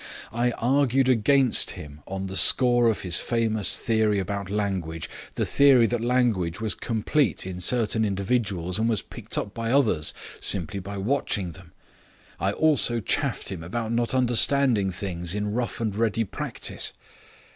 I argued against him on the score of his famous theory about language the theory that language was complete in certain individuals and was picked up by others simply by watching them. I also chaffed him about not understanding things in rough and ready practice.